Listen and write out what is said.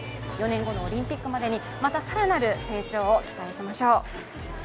４年後のオリンピックまでに、また更なる成長を期待しましょう。